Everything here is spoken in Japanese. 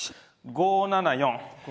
５７４。